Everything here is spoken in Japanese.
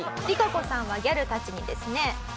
リカコさんはギャルたちにですね